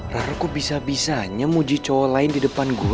rara kok bisa bisanya muji cowok lain di depan dia